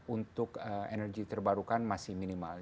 untuk energi terbarukan masih minimal